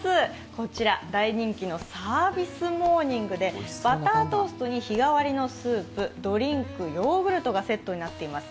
こちら、大人気のサービスモーニングでバタートーストに日替わりのスープ、ドリンク、ヨーグルトがセットになっています。